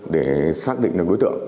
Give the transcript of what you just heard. để xác định được đối tượng